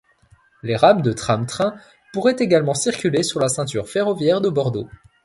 Les rames de tram-train pourraient également circuler sur la ceinture ferroviaire de Bordeaux.